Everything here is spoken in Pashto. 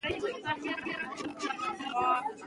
که موږ رښتیا پوه سو نو نه غولېږو.